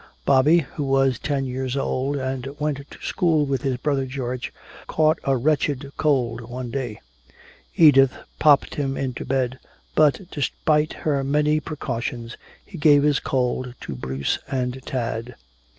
Bobby, who was ten years old and went to school with his brother George, caught a wretched cold one day. Edith popped him into bed, but despite her many precautions he gave his cold to Bruce and Tad.